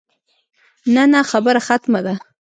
نه نه خبره ختمه ده.